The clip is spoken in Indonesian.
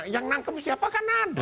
yang nangkem siapa kan ada